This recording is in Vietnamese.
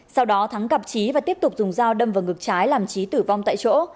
sau đó thắng gặp trí và tiếp tục dùng dao đâm vào ngực trái làm trí tử vong tại chỗ